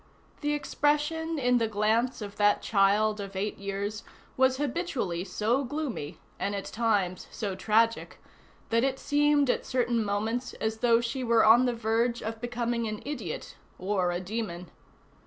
The expression in the glance of that child of eight years was habitually so gloomy, and at times so tragic, that it seemed at certain moments as though she were on the verge of becoming an idiot or a demon.